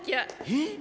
えっ。